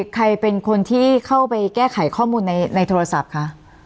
ใครเป็นคนที่เข้าไปแก้ไขข้อมูลในโทรศัพท์คะ